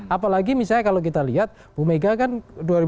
apalagi misalnya kalau kita lihat bumega gatil